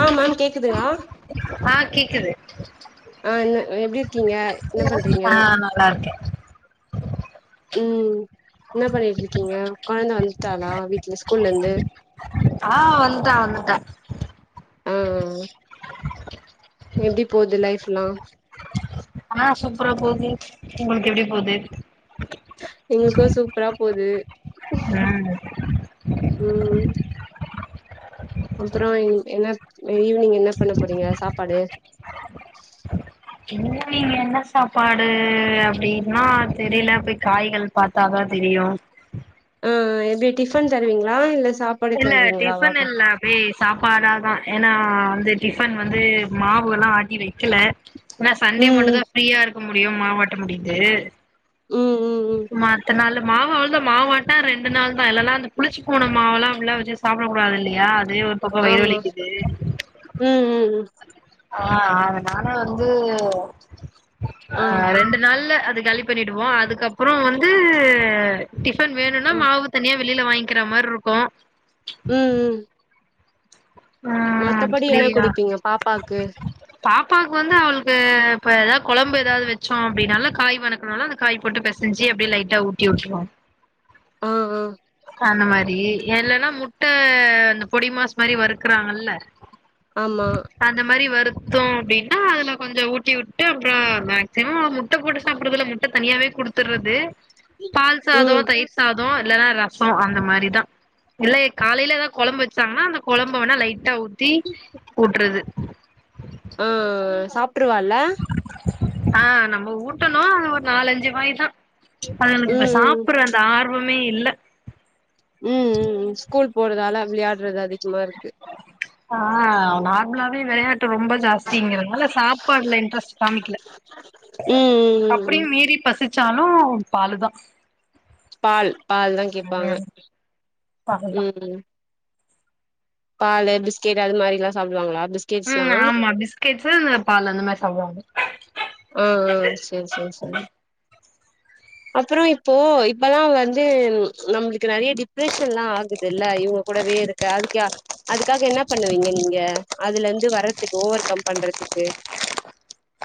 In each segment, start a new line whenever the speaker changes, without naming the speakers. ஆ ma'am கேக்குதுங்களா
ஆ கேக்குது
ஆ என்ன எப்படி இருக்கீங்க என்ன பண்றீங்க
ஆ நல்லா இருக்கே
ம் என்ன பண்ணிட்டு இருக்கீங்க கு [unintelligible] வந்தாளா
ஆ வந்துட்டா வந்துட்ட [inaudible]
எப்படி போது லைஃப்ல்லா
ஆனா சூப்பரா போது உங்களுக்கு எப்படி போது
எங்களுக்கு சூப்பரா போது
ம்
[inaudible] ம் அப்புறோ என்ன ஈவினிங் என்ன பண்ண போறீங்க சாப்பாடு
ஈவினிங் என்ன சாப்பாடு அப்படின்னா தெரியல போய் காய்கள் பார்த்தாதா தெரியு
ஆ எப்படி டிஃபன் தருவீங்களா இல்ல சாப்பாடு
இல்ல
தருவீங்களா
டிஃபன்
பாப்பா
இல்ல அப்டே சாப்பாடாதான் ஏன்னா வந்து டிஃபன் வந்து மாவு எல்லா ஆட்டி வைக்கல ஆனா சண்டே மட்டு
ம்
தா ஃப்ரீயா இருக்க முடியு மாவட்ட முடியு ஏ
ம் ம் ம்
மத்த நாள மாவு மாவட்டா ரெண்டு நாள் தா இல்லெல்லா அந்த புளிச்சு போன மாவெல்லா உள்ள வச்ச சாப்பிடக்க கூடாது இல்லையா அதே ஒரு பக்கம் வயிறு
ஆமா
வலிக்குது
ம் ம் ம்
ஆ அதனால வந்து ஆ ரெண்டு நாள்ள இது காலி பண்ணிடுவோம் அதுக்கப் அப்புறம் வந்து டிஃபன் வேணுன்னா
ஆ
மாவு தனியா வெளில வாங்க்கிற மாரி இருக்கும்
ம் ம்
ம்
மத்தபடி என்ன
அப்டியா
குடுப்பீங்க பாப்பாக்கு
பாப்பாவுக்கு வந்து அவளுக்கு இப்ப எதா கொழம்பு எதாவது வச்சோம் அப்படின்னால காய் வணக்கனால அந்த காய் போட்டு பெசஞ்சி அப்டே லைட்டா ஊட்டி உட்டுருவோம்
ஆ ஆ
அந்த மாரி இல்லன்னா முட்ட அந்த பொடி மாஸ் மாரி வறுக்குறாங்க இல்ல
ஆமா
அந்த மாரி வருத் தோம் அப்டின்னா அதுல கொஞ்சம் ஊட்டி உட்டு அப்புறம் மேக்சிமம் முட்ட போட்டு சாப்படறதுல முட்ட தனியாவே குடுத்தறது பால்
ம்
சாதம் தயிர் சாதம் இல்லனா ர சம் அந்த மாரிதான் இல்ல காலையில எதா கொழம்பு வச்சாங்கன்னா அந்த கொழம்ப வேணா லைட் டா ஊத்தி ஊட்றது
உட்டுருவா இல்ல
ஆ நம்ம ஊட்டணும் ஒரு நாலஞ்சு வாய் தான் அதுங்களுக்கு இப்ப
ம்
சாப்படற அந்த ஆர்வ மே இல்ல
ம் ம் ம் ஸ்கூல் போறதால விளையாடறது அதிகமா இருக்கு
ஆ நார்மலாவே விளையாட் ட்டு ரொம்ப ஜாஸ்திங்கிறதுனால சாப்பாடுல்ல இன்ட்ரெஸ்ட் காமிக்கில
ம் ம் ம்
அப்படியு
ம்
மீறி பசிச் ச்சாலும் அவன் பாலு தான்
பால் பால் தா கேப்பாங்க
பாலுதா
ம் பாலு பிஸ்கெட்டு அது மாரில்லா சாப்புடுவாங்களா
ம் ஆமா பிஸ்கெட்ஸ் இ பால் அந்த மாரி சாப்புடுவாங்க
ஆ சேரி சேரி சேரி அப்புறோ இப்போ இப்பல்லாம் வந்து நம்மளுக்கு நெறைய டிப்ரெஷன்ல்லா ஆகுது இல்ல இவங்க கூடவே இருக்க அதுக்க அதுக்காக என்ன பண்ணுவீங்க நீங்க அதுலந்து வர்றதுக்கு ஓவர் கம் பண்றதுக்கு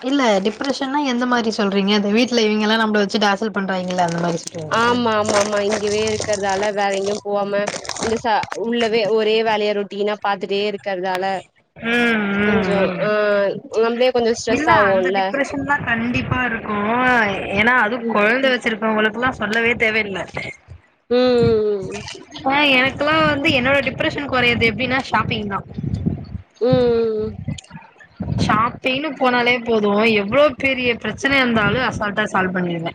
இல்ல டிப்ரஷன்னா எந்த மாறி சொல்றீங்க அந்த வீட்ல இவங்களாம் நம்மள வச்சி டார்ச்சல் பண்றாங்க இல்ல அந்த மாரி சொல்றீங்களா
ஆமா ஆமா ஆமா இங்கவே இருக்கறதால வேற எங்கயும் போவாம இந்த ச உள்ளவே ஒரே வேலையா ரொட்டினா பாத்துட்டே இருக்கறதால
ம் ம்
கொஞ்சோ
ம்
ஆ நம்மளே கொஞ்சோ ஸ்ட்ரெஸ்
இல்ல அந்த
ஆவோல்ல
டிப்ரஷன்லா கண்டிப்பா இருக்கு ஏன்னா அது
ம்
கொழந்தவச்சிருக் உங்களுக்குல்லா சொல்லவே தேவயில்ல
ம் ம் ம்
ஆ எனக்குெல்லா வந்து என்னோட டிப்ரஷன் குறையது எப்பிடின்னா ஷாப்பிங்தா
ம் ம் ம்
ஷாப்பிங்னு போனாலே போது எவ்ளோ பெரிய பிரச்சனையாந்தாலு அசால்ட்டா சால்வ் பண்ணிருவே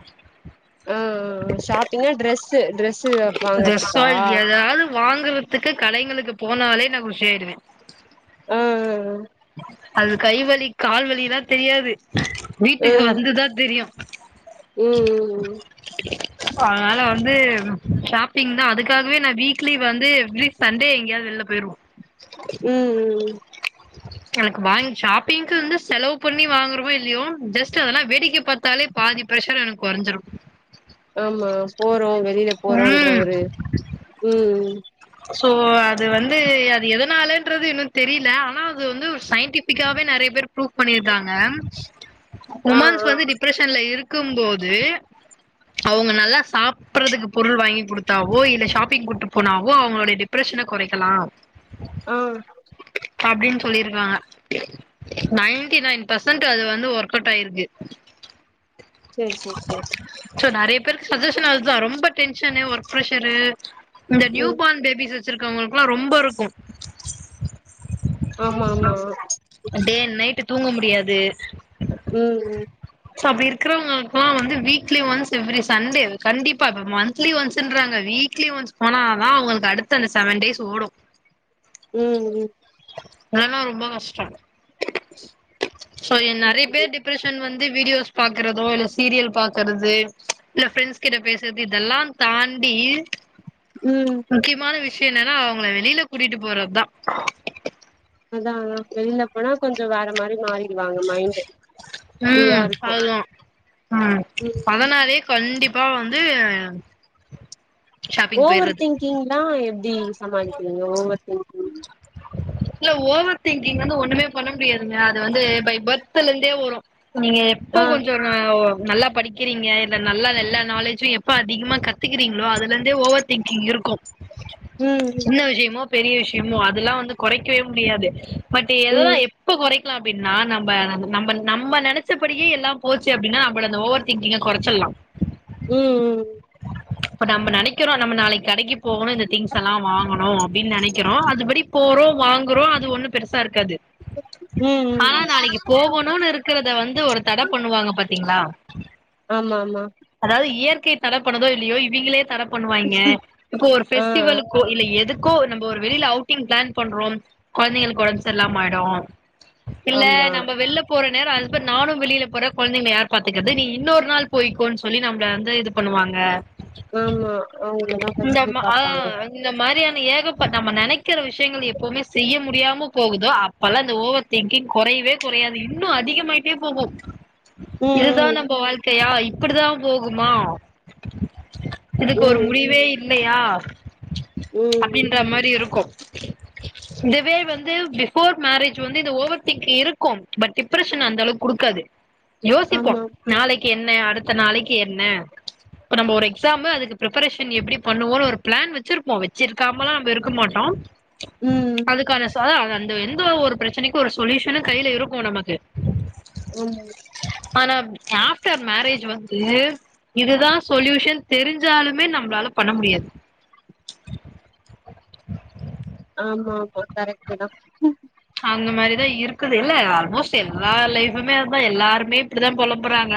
ஆஆ ஆ ஷாப்பிங்கா டிரரெஸ்ஸு டிரெஸ்ஸு வாங்கறதுக்கா
வாங்கறதுக்கு கடைங்களுக்கு போனாலே நா குஷி ஆயிடுவே
ம் ம்
அது கை வலி கால்வலில்லா தெரியாது வீட்டுக்கு வந்துதா தெரியு [inaudible]
ம் ம் ம்
அதனால வந்து ஷாப்பிங்தா அதுக்காகவேநா வீக்லி வந்து எவ்ரி சண்டே எங்கயாவது வெளில போயிருவோ
ம் ம்
[unintelligible] எனக்கு வாங் ஷாப்பிங்குந்து செலவு பண்ணி வாங்குறோமோ இல்லியோ ஜஸ்ட் அதெல்லா வேடிக்க பாத்தாலே பாதி பிரஷர் எனக்கு கொரஞ்சிரு.
ஆமா போறோ வெ ளில போறோன்ற
ம்
ஒரு ம் ம்
சோ அது வந்து அது எதனாலன்றது இன்னு தெரியல ஆனா அது வந்து சயின்டிபிக்காவே நெறைய பேர் ஃபுரூப் பண்ணிருறாங்க
ஆ
உமன்ஸ்
ஆ
வந்து டிப்ரஷன்ல இருக் க்கு போது அவங்க நல்லா க சாப்பறதுக்கு பொருள் வாங்கி குடுத்தாவோ இல்ல ஷாப்பிங் கூட்டு போனா வோ அவங்களோடய டிப்ரஷன கொறைக்கலா
ஆ
ப்பிடின்னு சொல்லிருக்காங்க நைன்டி நைன் பர்சன்ட் அது வந்து ஒர்க் அவுட் ஆயிருக்கு
சேரி சே சே
சோ நெறைய பேருக்கு சஜஷன் அதுதா ரொம்ப டென்ஷனு ஒர்க்ப்ரஷரு இந்த
ம்
நீயுப் ஃபீஸ் வச்சிருக்கவங்களுக்குல்லா ரொம்ப இருக்கு
ஆமா ஆமா
டே அண்ட் நைட் தூங்க முடியாது
ம் ம்
சோ அப்படி இருக்கறவங்களுக்குல்லா வந்து வீக்லி ஒன்ஸ் எவ்ரி சண்டே கண்டிப்பா மந்த்லி ஒன்ஸ்ன்றாங்க வீக்லி ஒன்ஸ் போனா அதா அவங்களுக்கு அடுத்த அந்த செவன் டேஸ் ஓடு
ம் ம்
அதாலா ரொம்ப கஷ்டம் சோ
ம்
நெறைய பேர் டிப்ரஷன் வந் ந்து வீடியோஸ் பாக்குறதோ இல்ல சீரியல் பாக்கறது இல்ல ப்ரெண்ட்ஸ் கிட்ட பேசுறது இதெல்லா தாண்டி
ம் ம்
முக்கியமான வி விஷயம் என்னன்னா அவங்கள வெளியில கூட்டிட்டு போறது தா
அதா வெளில போனா கொஞ்ச வேற மாரி மாரி
ம்
இருக்கு
அதுா ம் அதனாலே கண்டிப்பா வந் து
ஓவர் திங்கிங்லா எப்படி சமாளிக்கிறீங்க ஓவர் [unintelligible]
இல்ல ஓவர் திங்கிங் வந்து ஒண்ணுமே பண்ண முடியாதுங்க அது வந்து பை பர்த் இப்பலிருந்து வரும் நீங்க எப்போ
ஆ
கொஞ்ச [unintelligible] நல்லா படிக்கிறீங்க இல்ல நல்லா எல்லா நாலேஜும் எப்ப அதிகமா கத்துக்கிறீங்களோ அதுல இருந்தே ஓவர் திங்கிங் இருக்கு
ம் ம்
சின்ன விஷயமோ பெரிய விஷயமு அ அதெல்லா வந்து குறைக்கவே முடியாது பட் எததா
ம்
எப்ப குறை லாம் அப்படின்னா நம்ம நம்ம நம்ம நினச்சபடியே எல்லா போச்சு அப்படின்னா நம்மள அந்த ஓவர் திங்கிங்க குறைச்சிடலா
ம் ம்
இப்ப நம்ம நினைக்கிறோ நம்ம நாளைக்கு கடைக்கு போகணும் இந்த திங்ஸ் எல்லா வாங்கணும் அப்படின்னு நினைக்கிறோ அதுபடி போறோ வாங்குறோ அது ஒண்ணு பெருசா இருக்காது
ம் ம்
ஆனா
ம்
நாளைக்கு போகணும்னு இருக்கிறத வந்து ஒரு தடை பண்ணுவாங்க பத் இருகிங்களா
ஆமா ஆமா
தடப்பனதோ இல்லையோ இவங்களே தட பண்ணுவாங்க இப்போ ஒரு
ஆ ஆ
பெஸ்டிவலு கு இல்ல எதுக் கோ நம்ம ஒரு வெளியில அவுட்டிங் பிளான் பண்றோ கொழந்தைங்களுக்கு உடம்பு சரி இல்லாம ஆயிடு இல்ல
ஆமா
நம்ம வெள்ள போற நேரோ ஹஸ்பன்ட் நானு வெளில போறே கொழந்தைங்கள யார் பாத்துக்கிறது நீ இன்னொரு நாள் போய்கோனு சொல்லி நம்மள வந்து இது பண்ணுவாங்க
ஆமா அவங்களதா
இந்த
ஃபஸ்ட்டு
மா அ
பாப்பாங்க
இந்த மாரியான ஏகப்ப நம்ம நினைக்கிற விஷயங்கள் எப்பவுமே செய்ய முடியாம போகுதோ அப்பல்லா இந்த ஓவர் திங்கிங் குறையவே குறையாது இன்னு அதிகமாயிட்டே போகு இதுதா
ம்
நம்ம வாழ்க்கையா அப்டித்தா போகுமா [inaudible] இதுக்கு ஒரு
ம்
முடிவே இல் இல்லயா
ம் ம்
அப்டின்ற மாரி இருக்கு இதுவே வந்து பிஃபோர் மேரேஜ் வந்து இந்த ஓவர்திங்க் இருக்கு பட் டிப்ரஷன் அந்த அளவுக்கு குடுக்காது யோசிப்போ
ஆமா
நாளைக் என்ன அடுத்த நாளைக்கு என்ன இப்ப நம்ம ஒரு எக்ஸாமு அதுக்கு ப்ரப்பரேஷன் எப்டி பண்ணுவோனு ஒரு பிளான் வச்சிருப்போ வச்சிருக்காமலா நம்ம இருக்க மாட்டோ
ம்
அதுக்கான சாத அத அந்த எந்த ஒரு பிரச்சனைக்கு ஒரு சொல்யூஷனு கையில இருக்கு நமக்கு
ஆமா
ஆனா ஆஃப்டர் மேரேஜ் வந்து இதுதா சொலுயூஷன் தெரிஞ்சாலுமே நம்மளால பண்ண முடியாது
ஆமா மா கரெக்டு தா
அந்த மாரிதா இருக்குது இல்ல ஆல்மோஸ்ட் எல்லா லைஃபமே அதுதா எல்லாருமே இப்படிதா புலம்பறாங்க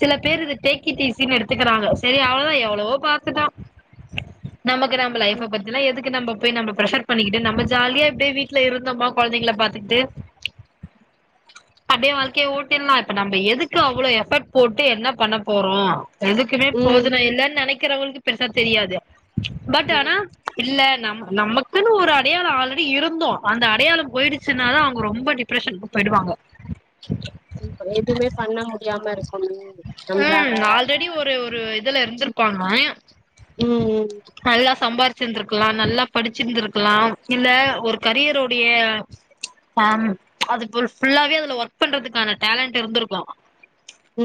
சில பேர் இது டேக்கிட்இசின்னு எடுத்துக்கிறாங்க சரி அவ்ளவுதா எவ்ளவோ பாத்துட்டோ நமக்கு நம்ம லைஃப பத்தில்லா எதுக்கு நம்ப போய் நம்ம பிரஷர் பண்ணிகிட்டு நம்ம ஜாலியா இப்டே வீட்டில இருந் ந்தோமா கொழந்தைங்கள பாத்துக்கிட்டு அப்டியே வாழ்க்கைய ஓட்டிட்லா இப்ப நம்ம எதுக்கு அவ்ளோ எஃபர்ட் போட்டு என்ன பண்ண போறோ எதுக்குமே
ம்
ப்ரோஜனோ இல்லனு நெனைக் இருக்கிறவுங்களுக்கு பெருசா தெரியாது பட் ஆனா இல்ல நம நமக்குன்னு ஒரு அடையாளோ ஆல்ரெடி இருந்தோ அந்த அடையாளம் போயிடுச்சுனா தா அவுங்க ரொம்ப டிப்ரஷனுக்கு போயிடுவாங்க
எதுமே பண்ண முடியாம இருக்கனு நம்ளால
ம் ஆல்ரெடி ஒரு ஒரு இதுல இருந்திருப்பாங்க
உ உ
சித்திந்ருக்கலா நல்லா படிச்சிருந்திருக்கலா இல்ல ஒர்க் கரியருடைய ஆ அது ஃபுல்லாவே அதுல ஒர்க் பண்றதுக்கான டேலண்டு இருந்திருக்கலா
உ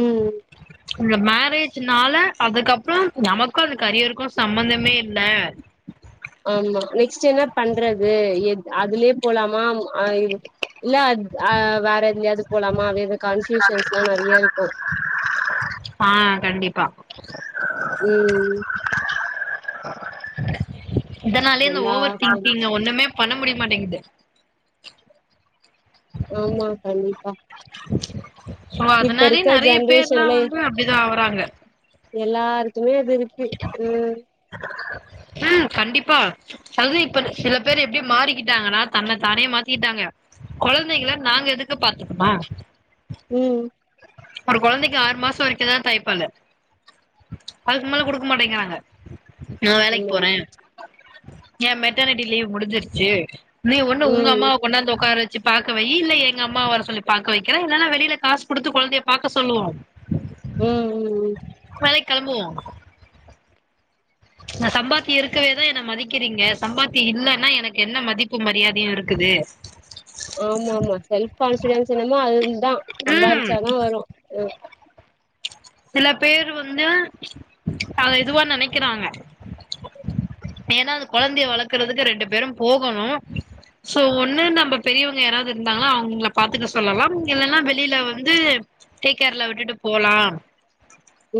பேஜ்னால அதுக்கப்றோ நமக்கும் அந்த கரியருக்கு சம்பந்தமே இல்ல
ஆமா அத்லே போலாமா ம் ஆ ம் இல்ல அத் அ வேற எதிலாயாது போலாமா அதுஇது
ஆ கண்டிப்பா ச [unintelligible]
ம்
ஆ [unintelligible] இதனாலயே இந்த
எல்லா
ஓவர் திங்கிங்க ஒண்ணுமேப் பண்ண முடியமாட்டேங்குது
ஆமா கண்டிப்பா
சோ
இப்ப
அதனால்யே
இருக்க
நறைய பேர்லா
ஜென்ரேஷன்ல
வந்து அப்டிதா ஆவுறாங்க
எல்லாரு தொறைய பேபிக்கு உம்
ம் கண்டிப்பா அது இப்ப சில பேரு எப்டி மாறிக்கிட்டாங்கன்னா தன்ன தானே மாத்திக்கிட்டாங்க குழந்தைகள நாங்க எதுக்கு பாத்துக்கனு
ம்
ஒரு குழந்தைக்கு ஆறு மாசோ வரைக்கும்தா தாய்ப்பாலு அதுக்குமேல குடுக்க மாட்டேங்குறாங்க நா வேலைக்
ஆமா
போற ஏ மெட்டர்னிட்டி லீவ் முடிஞ்சிருச்சி நீ ஒன்னு உங்க
ம்
அம்மாவ கொண்டாந்து உட்கார வச் ச்சி பாக்க வையு இல்ல எங்க அம்மாவ வர சொல்லி பாக்க வக்கிற இல்லனா வெளில காசு குடுத்து குழந்தயப் பாக்க சொல்லுவோ
ம் ம் ம்
வேலைக் கெளம்புவோ நா சம்பாத்தி இருக்கவே தா என்ன மதிக்கிறீங்க சம்பாத்தி இல்லனா எனக்கு என்ன மதிப்பு மரியாதையும் இருக்குது
ஆமாமா செல்ஃப் கான்ஃபிடன்ஸ் என்னமோ அது இருந் தா
ம்
சம்பாரிச்சா தா வரும் ம்
சில பேர் வந்து அத இதுவா நனைக்கிறாங்க ஏன்னா அது குழந்தைய வளக்கறதுக்கு ரெண்டு பேரும் போகணும் சோ ஒண்ணு நம்ம பெரியவங்க யாராவது இருந்தாங்னா அவுங்கள பாத்துக்க சொல்லலா இல்லனா வெளில வந்து டேகேர்ல விட்டுட்டு போலா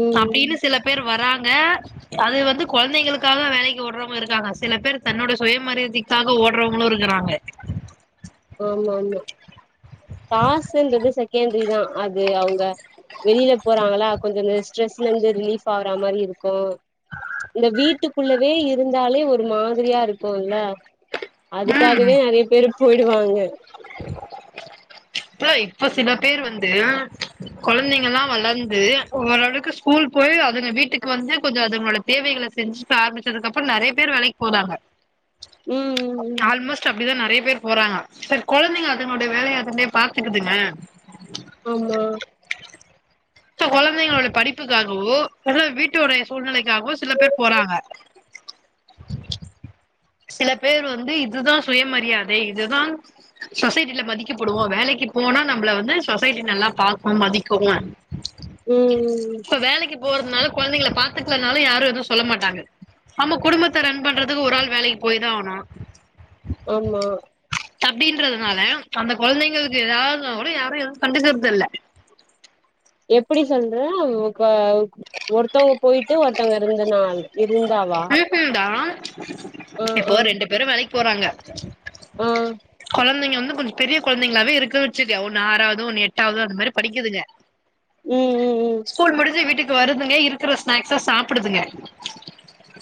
ம்
அப்டின்னு சில பேர் வராங் ங்க அது வந்து குழந்தைங்களுக்காக வேலைக் கு ஓடுறவுங்க இருக்காங்க சில பேர் தன்னோட சுயமரியாதைக்காக ஓடுறவங்களும் இருக்குறாங்க
ஆமாமா காசுன்றது செகண்டரி தா அது அவுங்க வெளில போறாங்களா கொஞ்சோ ஸ்ட்ரஸ்லருந்து ரிலீப் ஆவுற மாரி இருக்கும் இந்த வீட்டுக்குள்ளவே இருந்தாலே ஒரு ஒரு மாதிரியா இருக்கும்ல
ம்
அதுக்காகவே நறைய பேர் போய்ட் டுவாங்க
ப இப்ப சில பேர் வந்து கொழந்தைங்கல்லா வளந்து ஓரளவுக்கு ஸ்கூல் போய் அதுங்க வீட்டுக்கு வந்து கொஞ்சொ அதுங்களோட தேவைகள செஞ்சு ஆரம்பிச்சதுக்கு அப்றொ நெறைய பேர் வேலைக் போறாங்க
ம் ம் ம்
ஆல்மோஸ்ட் அப்டிதா நெறைய பேர் போறாங்க செர் கொழந்தைங்க அதுங்களுடைய வேலைய அதுங்களே பாத்துக்குதுங்க
ஆமா
இப்ப கொழந்தைங்களோட படிப்புக்காகவோ இல்ல வீட்டுடைய சூழ்நிலைக்காகவோ சில பேர் போறாங்க சில பேர் வந்து இதுதா சுயமரியாதை இதுதா சொசைட்டில மதிக்கப்படுவோ வேலைக்கு போனா நம்மள வந்து சொசைட்டி நல்லா பாக்கும் மதிக்கு
ம் ம்
இப்ப வேலைக்கு போறதுனால கொழந்தைங்கள பா த்துக்லனாலு யாரு எதுவு சொல்ல மாட்டாங்க நம்ம குடும்பத்த ரன் பண்றதுக்கு ஒரு ஆள் வேலை போய்தா ஆவுனு
ஆமா
அப்டின்றதுனால அந்த கொழந்தைங்ளுக்கு எதாவ்துனா கூட யாரு எதுவு கண்டுக்குறதில்ல
எப்புடி சொல்றே [unintelligible] ஒருத்தவ்ங்க போயிட்டு ஒருத்தங்க இருந்த நாள் இ
ம்ஹும் டா
ஆ ஆ
இப்ப ரெண்டு பேரு வேலை போறாங்க
ஆ
கொழந்தைங்க வந்து கொஞ்ச பெரிய கொழந்தைங்ளாவே இருக்கு வச்சுக்க ஒன்னு ஆறாவுது ஒன்னு எட்டாவுத அந்த மாரி படிக்குதுக
ம் ம் ம்
வருதுங்க இருக்குற ஸ்நாக்ஸ சாப்புடுதுங்க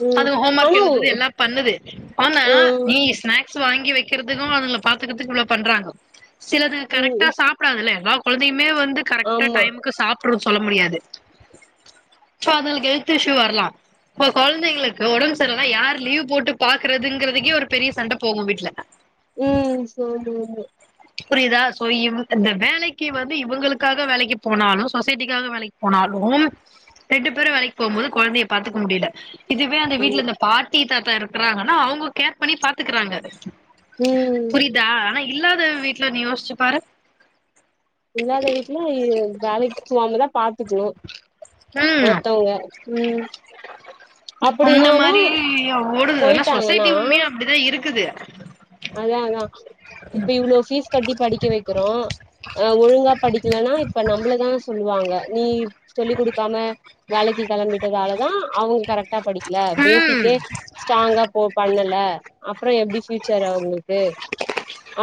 ம்
அது ஹோம் ஒர்க்
ஆனா
எழுதுது எல்லா பண்ணுது ஆனா
ஆ
நீ ஸ்நாக்ஸ் வாங்கி வக் கிறத்துக்கு வரல பாத்துக்கத்துக்கு இவ்ள பண்றாங்க சிலது கரெக்டா
ம்
சாப்டாதுல்ல எதா கொழந்தய மே வந்து கரெக்டா
ஆமா
டைமுக்கு சாப்புற சொல்ல முடியாது சோ அதுங்களுக்கு ஹெல்த் இஷ்யூ வரலா இப்ப கொழந்தைங்ளுக்கு ஒடம்பு சர்லனா யார் லீவ் போட்டு பாக்குறதுங்கிறதுக்கே ஒரு பெரிய சண்ட போகு வீட்ல
ம் சேரிங்க
புரியிதா சோ இவ இந்த வேலைக்கு வந்து இவுங்களுக்காக வேலைக்கு போனாலு சொசைட்டிக்காக வேலைக்கு போனாலு ரெண்டு பேரு வேலைக்கு போம்போது கொழந்தைய பாத்துக்க முடியில இதுவே அந்த வீட்ல
ஆமா
இந்த பாட் டி தாத்தா இருக்குறாங்கனா அவுங்க கேர் பண்ணி பாத்துக்குறாங்க
ம்
புரியிதா ஆனா இ இல்லாத வீட்ல நீ யோசிச்சு பாரு
இல்லாத வீட்டுல வேலைக்கு சும்மா தான் பா்க்க க்கணும்
ம்
ஒருத்தவங்க உம்
அந்த மாரி
அப்படினாலும்
ஓடுது ஆனா
போயிட்டாங்கன்னா
சொசைட்டி உண்மையா அப்டிதா இருக்குது
அதான் அதான் இப்ப இவ்ளோ பீஸ் கட்டி படிக்க வைக்கிறோம் ஹ ஒழுங்கா படிக்கலனா இப்ப நம்மளதான சொல்லுவாங்க நீ சொல்லி கொடுக்காம வேலைக்கு கிளம்பிட்டதாலதான் அவங்க கரெக்டா படிக்கல
ம்
பேசிக் ஸ்டராங்க பண்ணல அப்புறம் எப்படி அவங்களுக்கு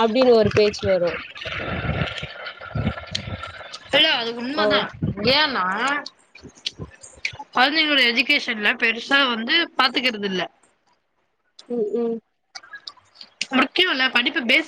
அப்படின்னு ஒரு பேச்சு வரும்
இல்ல அது உண்மைதான் ஏன்னா குழந்தைங்களோட எஜிகேஷன்ல பெருசா வந்து பார்த்துக்குறது இல்ல
உம் உம்
முக்கியம் இல்ல படிப்பு பேச